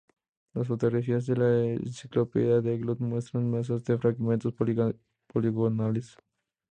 Las fotografías de la enciclopedia de Glut muestran masas de fragmentos poligonales.